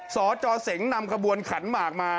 สแต่เซงนำกระบวนขันเหมาะมา